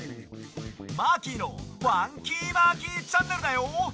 マーキーの「ファンキーマーキーチャンネル」だよ！